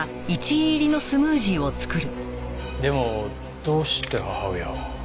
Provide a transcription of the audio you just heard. でもどうして母親を？